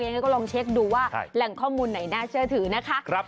งั้นก็ลองเช็คดูว่าแหล่งข้อมูลไหนน่าเชื่อถือนะคะ